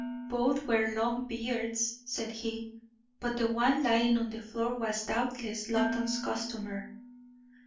"Both wear long beards," said he, "but the one lying on the floor was doubtless Loton's customer.